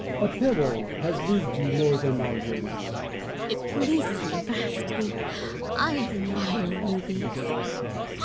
A pebble has moved you more than my words. Fontanges. It pleases me vastly : I admire rubies.